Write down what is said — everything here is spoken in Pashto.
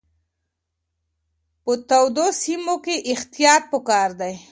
په تودو سیمو کې احتیاط پکار دی.